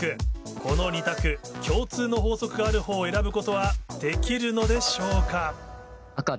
この２択共通の法則があるほうを選ぶことはできるのでしょうか。